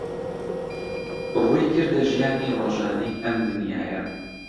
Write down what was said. ڕوویکردە ژیانی ڕۆژانەی ئەم دنیایە